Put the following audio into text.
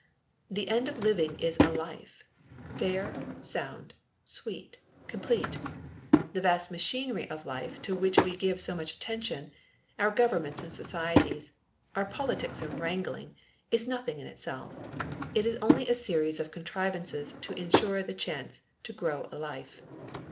The end of living is a life fair, sound, sweet, complete. The vast machinery of life to which we give so much attention, our governments and societies, our politics and wrangling, is nothing in itself. It is only a series of contrivances to insure the chance to grow a life.